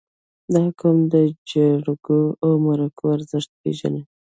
• دا قوم د جرګو او مرکو ارزښت پېژني.